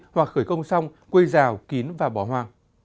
hoặc khởi công xong quê rào kín và bỏ hoa